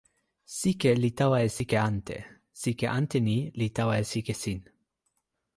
sike li tawa e sike ante. sike ante ni li tawa e sike sin.